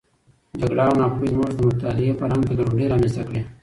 جګړه او ناپوهي زموږ د مطالعې فرهنګ ته ګډوډي رامنځته کړې.